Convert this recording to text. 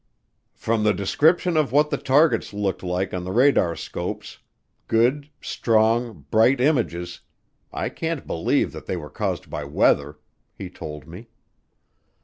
"From the description of what the targets looked like on the radarscopes, good, strong, bright images, I can't believe that they were caused by weather," he told me.